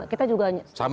kita juga sama